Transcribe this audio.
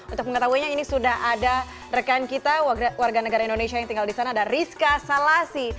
untuk mengetahuinya ini sudah ada rekan kita warga negara indonesia yang tinggal di sana ada rizka salasi